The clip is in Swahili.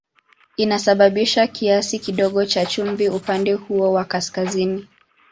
Inasababisha kiasi kidogo cha chumvi upande huo wa kaskazini.